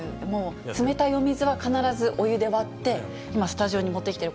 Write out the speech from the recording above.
冷たいお水は必ずお湯で割って、今、スタジオに持ってきている